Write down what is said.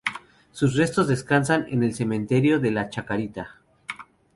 Sus restos descansan en el cementerio de la Chacarita.